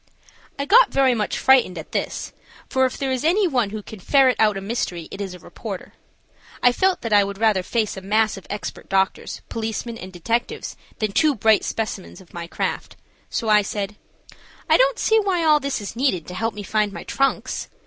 I got very much frightened at this, for if there is any one who can ferret out a mystery it is a reporter. I felt that I would rather face a mass of expert doctors, policemen, and detectives than two bright specimens of my craft, so I said: "I don't see why all this is needed to help me find my trunks.